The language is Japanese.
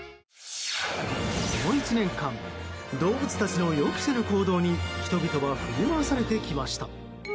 この１年間動物たちの予期せぬ行動に人々は振り回されてきました。